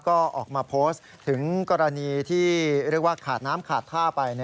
ก็ออกมาโพสต์ถึงกรณีที่เรียกว่าขาดน้ำขาดท่าไป